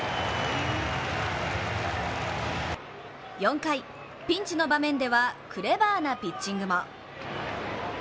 ４回、ピンチな場面ではクレバーなピッチングも。